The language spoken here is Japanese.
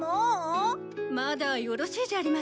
まだよろしいじゃありませんか。